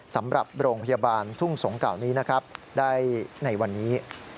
สำหรับโรงพยาบาลทุ่งสงศเก่านี้นะครับได้ในวันนี้